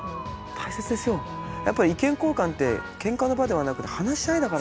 やっぱり意見交換ってけんかの場ではなくて話し合いだから。